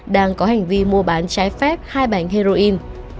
đang có hành vi mua bán trái phép hai bánh heroin